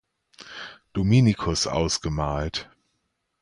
Dominikus ausgemalt.